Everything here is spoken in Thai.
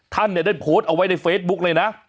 ท่านเนี่ยได้โพสต์เอาไว้ในเฟซบุ๊กเลยนะ